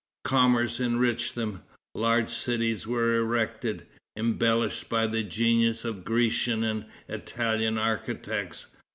Commerce enriched them. Large cities were erected, embellished by the genius of Grecian and Italian architects.